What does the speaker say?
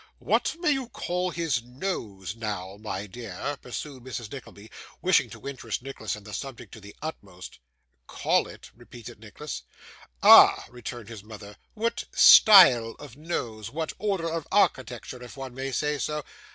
'What may you call his nose, now, my dear?' pursued Mrs. Nickleby, wishing to interest Nicholas in the subject to the utmost. 'Call it?' repeated Nicholas. 'Ah!' returned his mother, 'what style of nose? What order of architecture, if one may say so.